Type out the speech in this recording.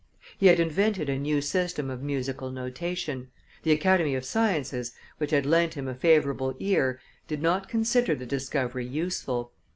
He had invented a new system of musical notation; the Academy of Sciences, which had lent him a favorable ear, did not consider the discovery useful.